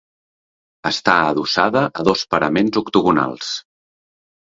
Està adossada a dos paraments octogonals.